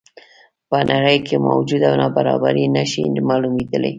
په نړۍ کې موجوده نابرابري نه شي معلومېدلی.